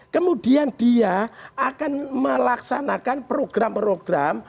kemudian dia akan melaksanakan program program